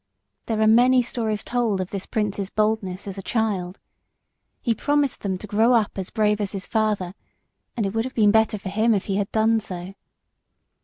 There are many stories told of this prince's boldness as a child. He promised them to grow up as brave as his father, and it would have been better for him if he had done so.